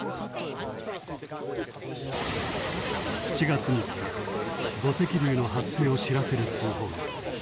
７月３日土石流の発生を知らせる通報が。